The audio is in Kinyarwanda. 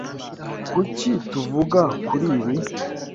Kuki tuvuga kuri ibi?